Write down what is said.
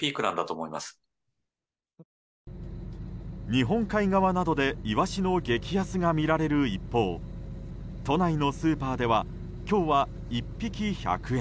日本海側などでイワシの激安が見られる一方都内のスーパーでは今日は１匹１００円。